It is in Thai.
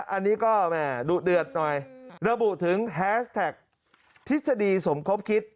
อันนี้ก็แม่ดุเดือดหน่อยระบุถึงแฮสแท็กทฤษฎีสมคบคิด